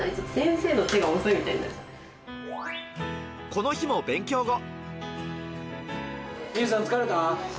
この日も勉強後。